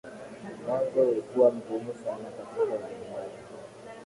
Mwanzo ulikuwa mgumu sana katika ulimaji